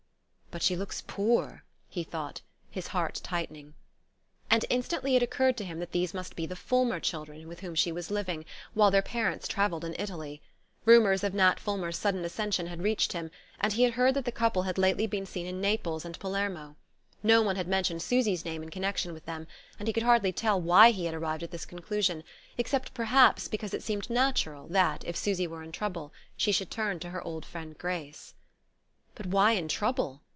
"But she looks poor!" he thought, his heart tightening. And instantly it occurred to him that these must be the Fulmer children whom she was living with while their parents travelled in Italy. Rumours of Nat Fulmer's sudden ascension had reached him, and he had heard that the couple had lately been seen in Naples and Palermo. No one had mentioned Susy's name in connection with them, and he could hardly tell why he had arrived at this conclusion, except perhaps because it seemed natural that, if Susy were in trouble, she should turn to her old friend Grace. But why in trouble?